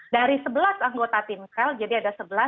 dari sebelas anggota timsel jadi ada sebelas